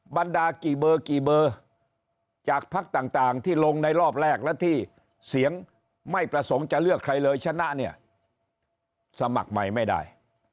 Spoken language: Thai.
บรรดากี่เบอร์กี่เบอร์จากภักดิ์ต่างที่ลงในรอบแรกและที่เสียงไม่ประสงค์จะเลือกใครเลยชนะเนี่ยสมัครใหม่ไม่ได้